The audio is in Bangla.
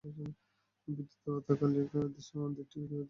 হিন্দু দেবতা কালীর উদ্দেশ্যে মন্দিরটি নিবেদিত।